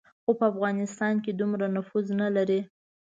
خو په افغانستان کې دومره نفوذ نه لري.